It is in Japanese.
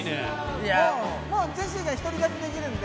もう、ジェシーは独り立ちできるんで。